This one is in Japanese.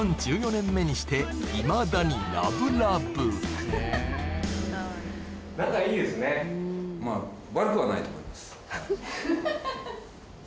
１４年目にしていまだにラブラブはい？